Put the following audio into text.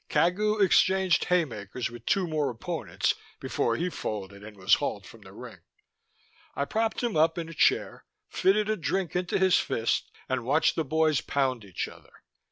Cagu exchanged haymakers with two more opponents before he folded and was hauled from the ring. I propped him up in a chair, fitted a drink into his fist, and watched the boys pound each other.